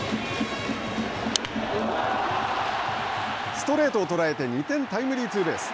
ストレートを捉えて２点タイムリーツーベース。